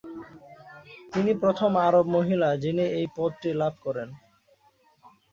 তিনি প্রথম আরব মহিলা যিনি এই পদটি লাভ করেন।